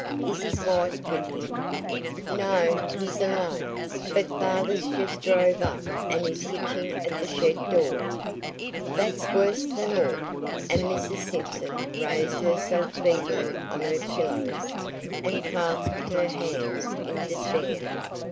Is his wife with him?" "No; he's alone; but father's just drove up and is hitching at the shed door." "That's worse than all!" and Mrs. Simpson raised herself feebly on her pillows and clasped her hands in despair.